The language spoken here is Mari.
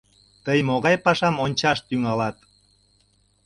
Тый могай пашам ончаш тӱҥалат?